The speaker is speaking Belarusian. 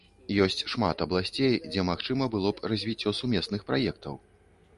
Ёсць шмат абласцей, дзе магчыма было б развіццё сумесных праектаў.